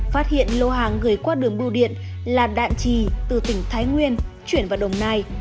phát hiện lô hàng gửi qua đường bưu điện là đạn trì từ tỉnh thái nguyên chuyển vào đồng nai